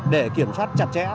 để kiểm soát chặt chẽ